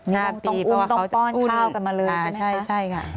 ต้องอุ้มต้องป้อนข้าวกันมาเลยใช่ไหมคะใช่ค่ะ